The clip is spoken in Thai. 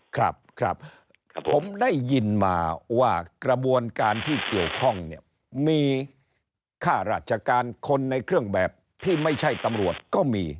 ครับครับผมได้ยินมาว่ากระบวนการที่เกี่ยวข้องเนี่ยมีค่าราชการคนในเครื่องแบบที่ไม่ใช่ตำรวจก็มี